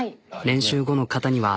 練習後の肩には。